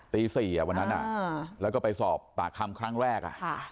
ตี๔วันนั้นแล้วก็ไปสอบปากคำครั้งแรก